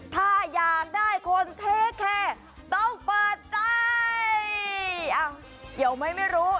ถ้าอยากได้คนเทแคร์ต้องเปิดใจอ้าวเดี๋ยวไหมไม่รู้